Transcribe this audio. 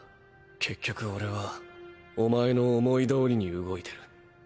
結局俺はおまえの思い通りに動いてる。